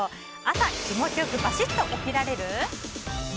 朝気持ちよくバシッと起きられる？